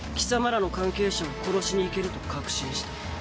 らの関係者を殺しに行けると確信した。